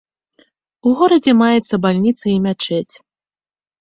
У горадзе маецца бальніца і мячэць.